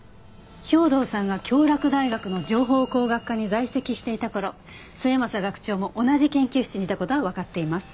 兵働さんが京洛大学の情報工学科に在籍していた頃末政学長も同じ研究室にいた事はわかっています。